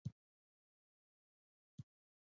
د المونیم تولیدات لرو؟